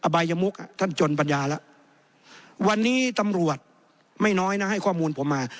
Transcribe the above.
บายมุกท่านจนปัญญาแล้ววันนี้ตำรวจไม่น้อยนะให้ข้อมูลผมมา